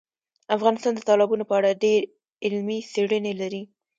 افغانستان د تالابونو په اړه ډېرې علمي څېړنې لري.